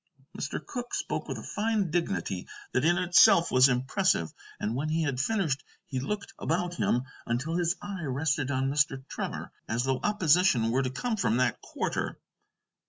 Mr. Cooke spoke with a fine dignity that in itself was impressive, and when he had finished he looked about him until his eye rested on Mr. Trevor, as though opposition were to come from that quarter.